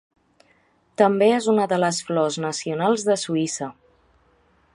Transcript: També és una de les flors nacionals de Suïssa.